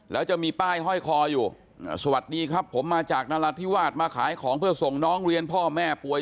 แล้วจะมีป้ายห้อยคออยู่สวัสดีครับผมมาจากนรัฐธิวาสมาขายของเพื่อส่งน้องเรียนพ่อแม่ป่วย